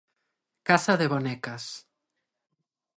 Casa de bonecas.